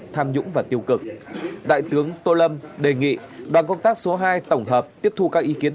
tham nhũng và tiêu cực đại tướng tô lâm đề nghị đoàn công tác số hai tổng hợp tiếp thu các ý kiến